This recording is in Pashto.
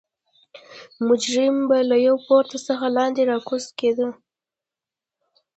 مجرم به له پورته څخه لاندې راګوزار کېده.